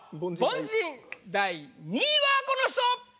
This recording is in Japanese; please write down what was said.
凡人第２位はこの人！